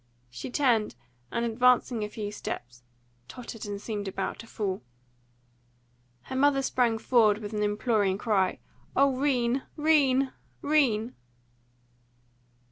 She turned, and, advancing a few steps, tottered and seemed about to fall. Her mother sprang forward with an imploring cry, "O 'Rene, 'Rene, 'Rene!"